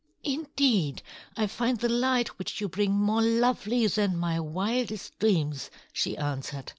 "Indeed, I find the light which you bring more lovely than my wildest dreams," she answered.